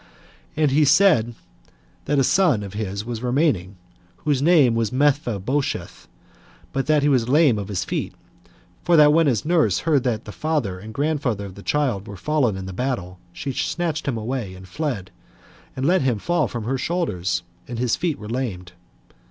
And he said, that a son of his was remaining, whose name was Mephibosheth, but that he was lame of his feet; for that when his nurse heard that the father and grandfather of the child were fallen in the battle, she snatched him up, and fled away, and let him fall from her shoulders, and his feet were lamed.